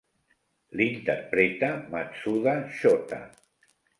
L'interpreta Matsuda Shota.